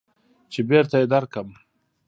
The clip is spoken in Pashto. چې بېرته يې درکم.